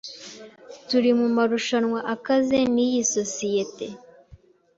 Turi mu marushanwa akaze niyi sosiyete.